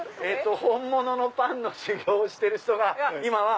本物のパンの修業をしてる人が今は。